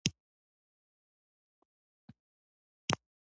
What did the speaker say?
دوی ته لږ ازاد یا واړه بوروژوا وايي.